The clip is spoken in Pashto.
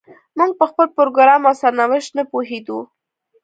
موږ په خپل پروګرام او سرنوشت نه پوهېدو.